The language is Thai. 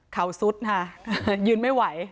เขาซุดค่ะยืนไม่ไหว